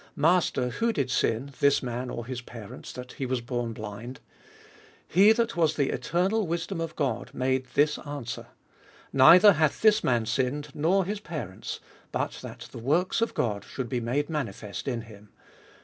Master, who did sin, this 7nan, or his parents, that he was born blind ? he that was the eternal wisdom of God made this answer : Neither hath this man sinned, nor his parents ; but that the tcorAs of God should be 7nade manifest in him.